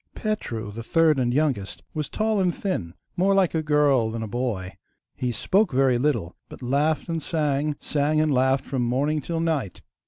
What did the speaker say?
Petru, the third and youngest, was tall and thin, more like a girl than a boy. He spoke very little, but laughed and sang, sang and laughed, from morning till night.